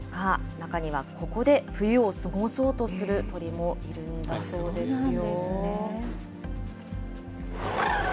中にはここで冬を過ごそうとする鳥もいるんだそうですよ。